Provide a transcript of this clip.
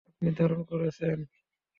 আপনি দারুণ করেছেন!